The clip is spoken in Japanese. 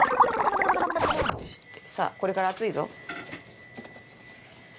財前：さあ、これから熱いぞ。